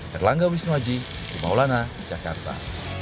terlangga wisnu aji rumah ulana jakarta